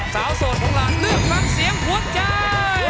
โสดของเราเลือกฟังเสียงหัวใจ